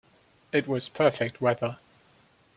It was perfect weather.